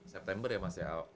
september ya mas ya